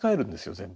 全部。